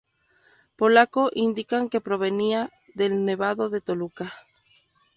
Polaco indican que provenía del Nevado de Toluca.